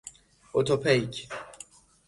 اتوپیک